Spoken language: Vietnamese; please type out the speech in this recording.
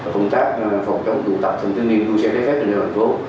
công tác phòng chống tù tập thần tư niên thu xe giấy phép trên đường đường phố